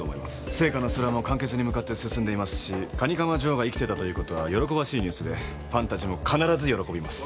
『ＳＥＩＫＡの空』も完結に向かって進んでいますし蟹釜ジョーが生きてたという事は喜ばしいニュースでファンたちも必ず喜びます。